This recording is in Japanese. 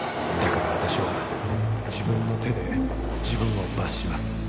「だから私は自分の手で自分を罰します」